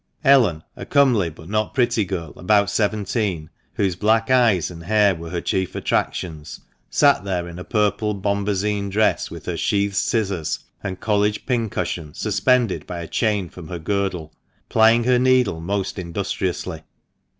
Ellen, a comely but not pretty girl, about seventeen, whose black eyes and hair were her chief attractions, sat there in a purple bombazine dress, with her sheathed scissors and College pincushion suspended by a chain from her girdle, plying her needle most industriously.